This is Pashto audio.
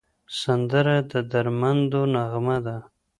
سندره د دردمندو نغمه ده